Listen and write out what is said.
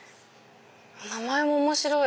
名前も面白い！